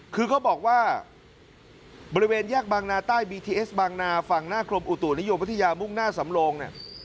คือเขาบอกว่าบริเวณแยกบางนาใต้บีทีเอสบางนาฝั่งหน้ากรมอุตุนิยมพัทยามุ่งหน้าสำโลงเนี่ย